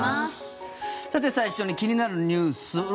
さて、最初に気になるニュース。